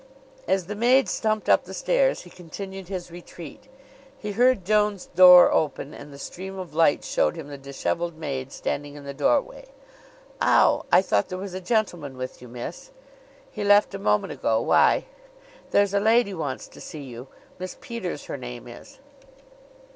As the maid stumped up the stairs he continued his retreat. He heard Joan's door open, and the stream of light showed him the disheveled maid standing in the doorway. "Ow, I thought there was a gentleman with you, miss." "He left a moment ago. Why?" "There's a lady wants to see you. Miss Peters, her name is."